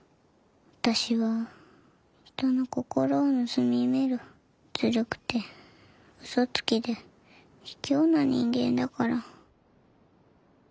私は人の心を盗み見るずるくてうそつきでひきょうな人間だから。